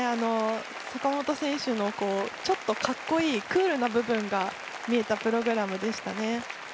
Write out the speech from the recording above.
坂本選手の、ちょっとかっこいいクールな部分が見えたプログラムでしたね。